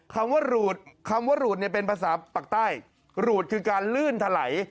คำว่าหลูดเป็นภาษาปักใต้หลูดคือการลื่นถลัย